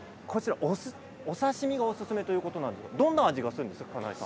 お刺身がおすすめということなんですが、どんな味がしますか？